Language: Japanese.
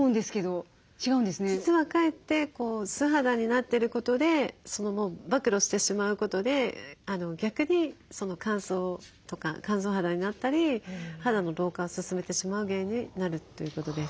実はかえって素肌になってることで曝露してしまうことで逆に乾燥とか乾燥肌になったり肌の老化を進めてしまう原因になるということです。